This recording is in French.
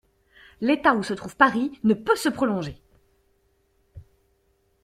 L'état où se trouve Paris ne peut se prolonger.